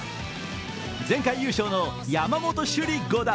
前回優勝の山本朱莉五段。